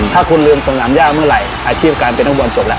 ถ้าคุณลืมสนามย่าเมื่อไหร่อาชีพการเป็นนักบอลจบแล้ว